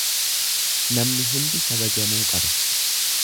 Namni hundi kabajamuu qaba.